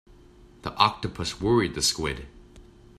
The octopus worried the squid.